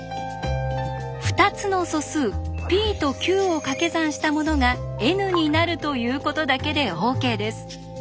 「２つの素数ｐとｑをかけ算したものがＮになる」ということだけでＯＫです。